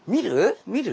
見る？